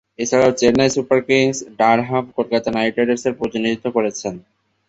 এছাড়াও, Chennai super kings, Durham, Kolkata knight রাইডার্সের প্রতিনিধিত্ব করেছেন।